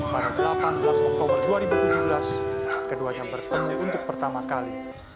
pada delapan belas oktober dua ribu tujuh belas keduanya bertemu untuk pertama kali